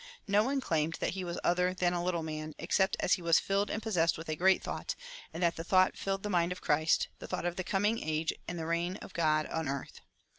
No one claimed that he was other than a "little man," except as he was filled and possessed with a great thought, and that the thought that filled the mind of Christ the thought of the Coming Age and of the Reign of God on earth.